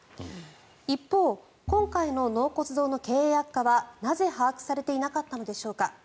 一方、今回の納骨堂の経営悪化はなぜ把握されていなかったのでしょうか。